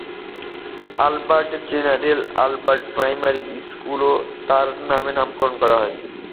অ্যালবার্টনের General Albert Primary স্কুলও তার নামে নামকরণ করা হয়।